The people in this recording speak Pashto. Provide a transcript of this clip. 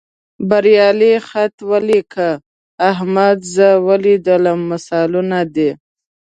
بریالي خط ولیکه، احمد زه ولیدلم مثالونه دي.